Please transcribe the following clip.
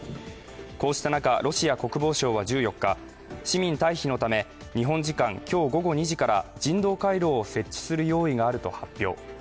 こうした中、ロシア国防省は１４日、市民退避のため、日本時間今日午後２時から人道回廊を設置する用意があると発表。